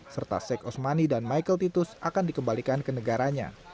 serta seks osmani dan michael titus akan dikembalikan ke negaranya